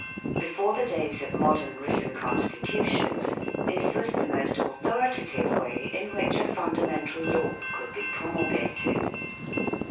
Before the days of modern written constitutions this was the most authoritative way in which a fundamental law could be promulgated.